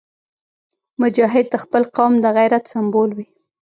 مجاهد د خپل قوم د غیرت سمبول وي.